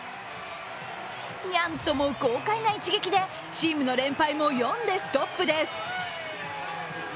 ニャンとも豪快な一撃でチームの連敗も４でストップです。